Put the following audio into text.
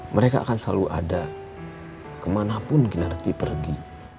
mereka akan selalu ada kemanapun generati pergi